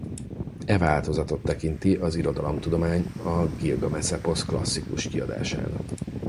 E változatot tekinti az irodalomtudomány a Gilgames-eposz klasszikus kiadásának.